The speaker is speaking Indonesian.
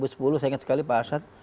saya ingat sekali pak arsyad